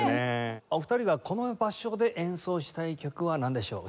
お二人がこの場所で演奏したい曲はなんでしょう？